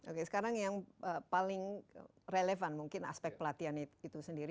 oke sekarang yang paling relevan mungkin aspek pelatihan itu sendiri